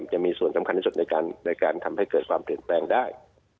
จะมีส่วนสำคัญที่สุดในการทำให้เกิดความเปลี่ยนแปลงได้